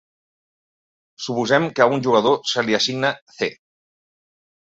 Suposem que a un jugador se li assigna "C".